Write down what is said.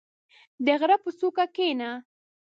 • د غره په څوکه کښېنه.